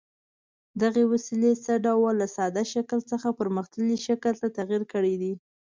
دغې وسیلې څه ډول له ساده شکل څخه پرمختللي شکل ته تغیر کړی دی؟